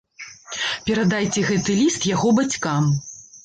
Перадайце гэты ліст яго бацькам.